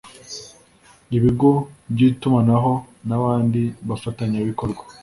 ibigo by’itumanaho n’abandi bafatanyabikorwa